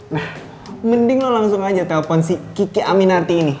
nah mending lo langsung aja telpon si kiki aminarti ini